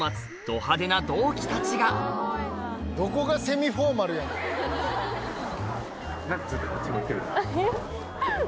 どこがセミフォーマルやねん。